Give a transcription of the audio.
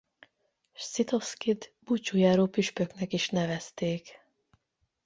Scitovszkyt búcsújáró püspöknek is nevezték.